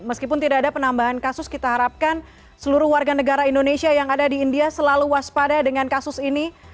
meskipun tidak ada penambahan kasus kita harapkan seluruh warga negara indonesia yang ada di india selalu waspada dengan kasus ini